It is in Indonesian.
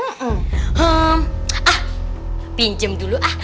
hmm ah pinjem dulu ah